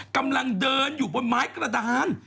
กำลังเดินอยู่บนไม้กระดาน